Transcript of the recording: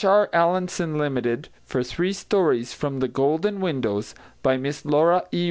R. Allenson Ltd. for three stories from The Golden Windows, by Miss Laura E.